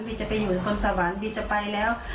จะไปอยู่คนสวรรค์บีจะไปแล้ว